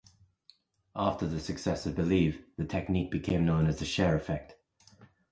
After the success of "Believe" the technique became known as the "Cher Effect".